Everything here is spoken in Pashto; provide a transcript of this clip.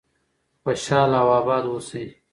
خوشحاله او آباد اوسئ.